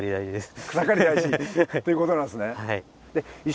「草刈り大事」ということなんですね。